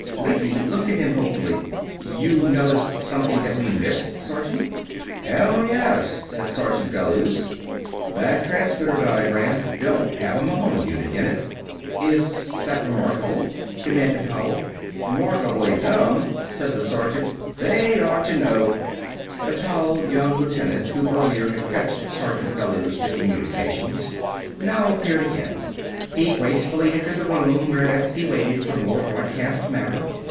Lecky looked at him hopefully. "You noticed something that we missed, Sergeant?" "Hell, yes!" said Sergeant Bellews. "That transmitter diagram don't have a Mahon unit in it!" "Is that remarkable?" demanded Howell. "Remarkable dumb," said the sergeant. "They'd ought to know " The tall young lieutenant who earlier had fetched Sergeant Bellews to Communications now appeared again. He gracefully entered the room where Betsy waited for more broadcast matter.